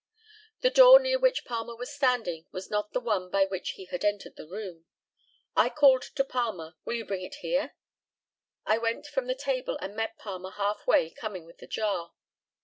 ] The door near which Palmer was standing was not the one by which he had entered the room. I called to Palmer, "Will you bring it here?" I went from the table and met Palmer half way coming with the jar.